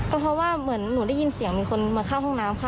ก็เพราะว่าเหมือนหนูได้ยินเสียงมีคนมาเข้าห้องน้ำค่ะ